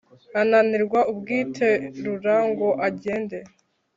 Ananirwa ubwiterura ngo agende